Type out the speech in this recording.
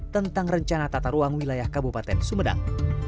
tentang rencana tata ruang wilayah kabupaten sumedang